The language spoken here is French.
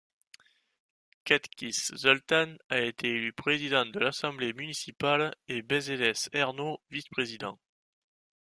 Katkics Zoltán a été élu président de l'assemblée municipale et Beszédes Ernő vice-président.